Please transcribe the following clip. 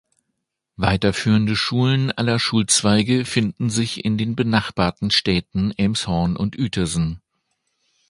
Weiterführende Schulen aller Schulzweige finden sich in den benachbarten Städten Elmshorn und Uetersen.